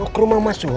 mau ke rumah mas suha